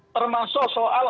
termasuk soal apa